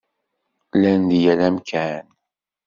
Llan deg yal amkan.